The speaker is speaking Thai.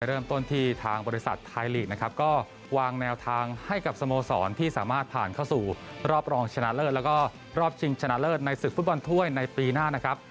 เริ่มต้นที่ทางบริษัทไทยลีกนะครับก็วางแนวทางให้กับสโมสรที่สามารถผ่านเข้าสู่รอบรองชนะเลิศแล้วก็รอบชิงชนะเลิศในศึกฟุตบอลถ้วยในปีหน้านะครับ